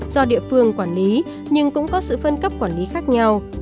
do địa phương quản lý nhưng cũng có sự phân cấp quản lý khác nhau